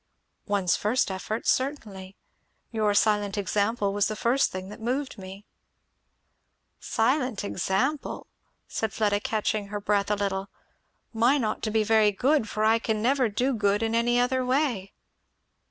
"One's first efforts, certainly. Your silent example was the first thing that moved me." "Silent example!" said Fleda catching her breath a little. "Mine ought to be very good, for I can never do good in any other way."